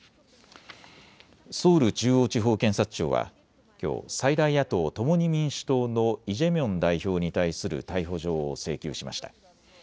ソウル中央地方検察庁はきょう最大野党、共に民主党のイ・ジェミョン代表に対する逮捕状を請求しました。